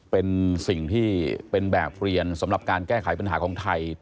เป็นสิ่งที่เป็นแบบเรียนสำหรับการแก้ไขปัญหาของไทย